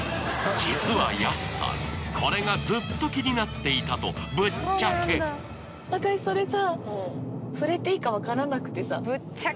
実は安さんこれがずっと気になっていたとぶっちゃけ私それさ。